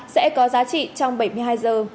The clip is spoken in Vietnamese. sẽ có giá trị trong bảy mươi hai giờ